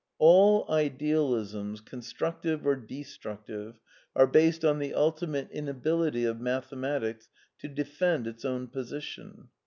All Idealisms, constructive or destructive, are based on the ultimate inability of mathematics to defend its own position.